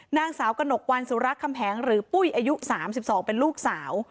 นางสาวกระหนกวันสุระคำแหงหรือปุ้ยอายุ๓๒เป็นลูกสาว